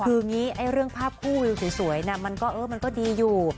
คืออย่างนี้เรื่องภาพคู่วิวสวยมันก็ดีอยู่